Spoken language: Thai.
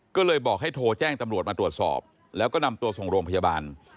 ก็เลยบอกให้โทรแจ้งตำรวจมาตรวจสอบแล้วก็นำตัวส่งโรงพยาบาล